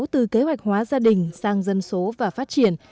từ kế hoạch hóa gia đình sang dân số và phát triển